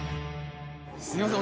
すいません